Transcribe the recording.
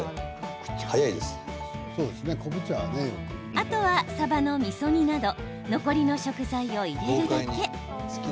あとは、さばのみそ煮など残りの食材を入れるだけ。